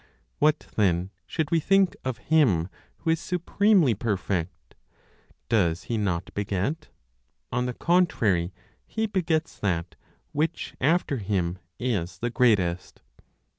What then should we think of Him who is supremely perfect? Does He not beget? On the contrary, He begets that which, after Him, is the greatest.